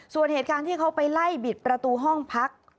ส่วนเหตุการณ์ที่เขาไปไล่บิดประตูห้องพัก